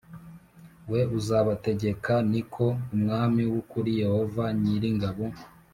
We uzabategeka d ni ko umwami w ukuri yehova nyir ingabo